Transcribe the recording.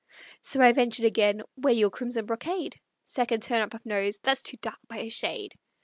So I ventured again: "Wear your crimson brocade;" (Second turn up of nose) "That's too dark by a shade."